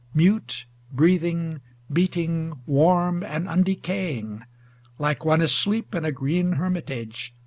Mute, breathing, beating, warm, and undecaying. Like one asleep in a green hermitage.